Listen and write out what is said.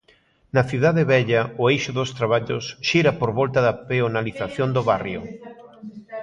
Na Cidade Vella o eixo dos traballos xira por volta da peonalización do barrio.